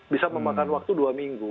bisa memakan waktu dua minggu